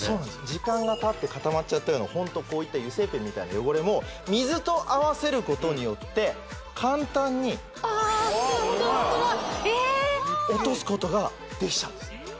時間がたって固まっちゃったこういう油性ペンみたいな汚れも水とあわせることによって簡単にホントだホントだえっ落とすことができちゃうんです